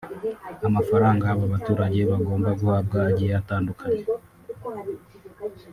Amafaranga aba baturage bagomba guhabwa agiye atandukanye